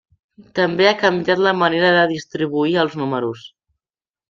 També ha canviat la manera de distribuir els números.